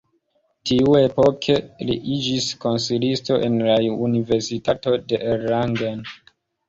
Tiuepoke li iĝis konsilisto en la Universitato de Erlangen.